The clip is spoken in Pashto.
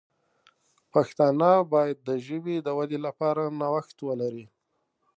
پښتانه باید د ژبې د ودې لپاره نوښت ولري.